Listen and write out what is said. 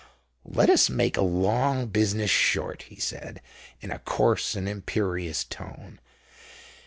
"Let us make a long business short," he said, in a coarse and imperious tone.